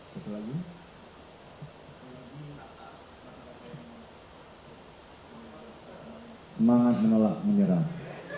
semangat menolak menyerah